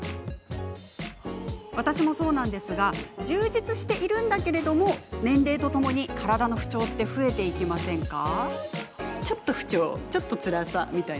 私もそうなんですが充実しているんだけれども年齢とともに身体の不調って増えていきませんか？